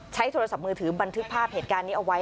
โทรศัพท์มือถือบันทึกภาพเหตุการณ์นี้เอาไว้